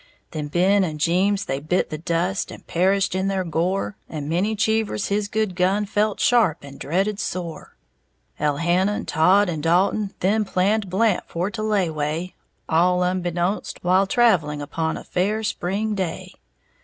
Then Ben and Jeems they bit the dust And perished in their gore, And many Cheevers his good gun Felt sharp, and dreaded sore. Elhannon, Todd and Dalton then Planned Blant for to layway All unbeknownst, while travelling Upon a fair spring day.